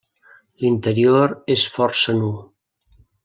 L'interior és força nu.